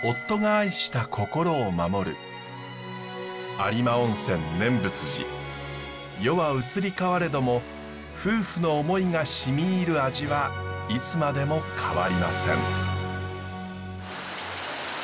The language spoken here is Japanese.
有馬温泉念仏寺世は移り変われども夫婦の思いがしみいる味はいつまでも変わりません。